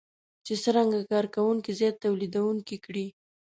چې څرنګه کار کوونکي زیات توليدونکي کړي.